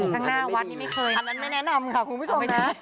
ข้างหน้าวัดนี่ไม่เคยอันนั้นไม่แนะนำค่ะคุณผู้ชมนะ